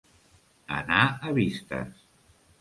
Anar a vistes.